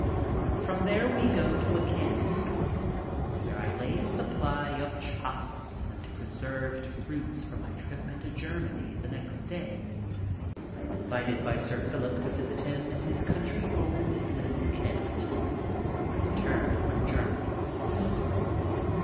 From there we go to a candy store, where I lay in a supply of chocolates and preserved fruits for my trip into Germany the next day. I am invited by Sir Philip to visit him at his country home in Lympe, Kent, on my return from Germany.